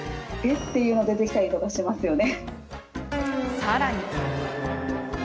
っていうの出てきたりとかしますよね。